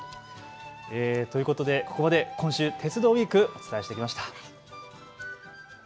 ということでここまで今週、鉄道ウイークをお伝えしてきました。